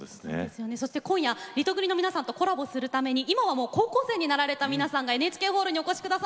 そして今夜リトグリの皆さんとコラボするために今はもう高校生になられた皆さんがＮＨＫホールにお越し下さいました。